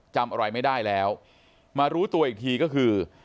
จำอะไรไม่ได้แล้วมารู้ตัวอีกทีก็คือ